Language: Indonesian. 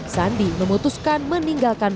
sandi memutuskan meninggalkan